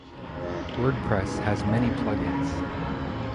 Wordpress has many plugins.